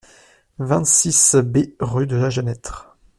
vingt-six B rue de la Genêtre